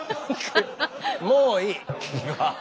もういい。